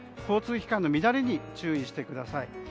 交通機関の乱れに注意してください。